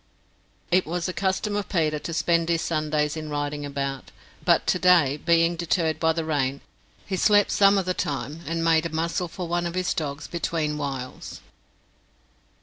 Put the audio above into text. It was the custom of Peter to spend his Sundays in riding about, but today, being deterred by the rain, he slept some of the time, and made a muzzle for one of his dogs, between whiles.